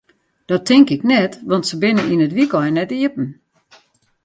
Dat tink ik net, want se binne yn it wykein net iepen.